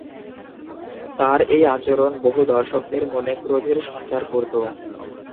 তার এই আচরণ বহু দর্শকদের মনে ক্রোধের সঞ্চার করত।